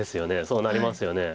そうなりますよね。